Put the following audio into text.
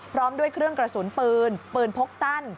พร้อมด้วยเครื่องกระสุนปืนปืนพกสั้น